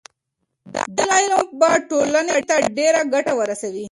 دا علم به ټولنې ته ډېره ګټه ورسوي.